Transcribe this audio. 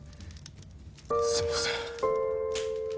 すみません。